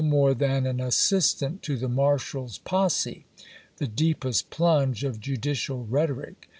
36. more than an assistant to the marshal's posse — the deep est plunge of judicial rhetoric.